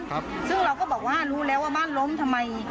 ครับซึ่งเราก็บอกว่ารู้แล้วว่าบ้านล้มทำไม